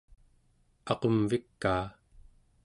aqumvikaa